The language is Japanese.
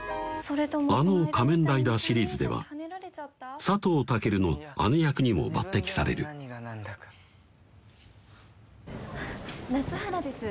あの「仮面ライダー」シリーズでは佐藤健の姉役にも抜てきされる「夏原です」